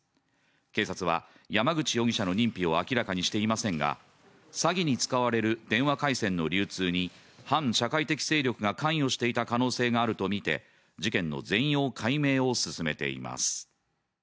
警察は山口容疑者の認否を明らかにしていませんが、詐欺に使われる電話回線の流通に反社会的勢力が関与していた可能性があるとみて事件の全容解明を進めています。